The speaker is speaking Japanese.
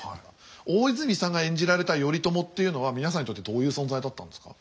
大泉さんが演じられた頼朝というのは皆さんにとってどういう存在だったんですか？